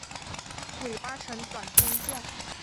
尾巴呈短鞭状。